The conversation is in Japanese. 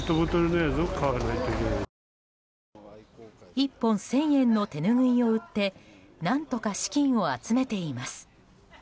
１本１０００円の手拭いを売って何とか資金を集めています。